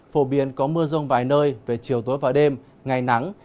phổ biến có mưa rông vài nơi về chiều tối và đêm ngày nắng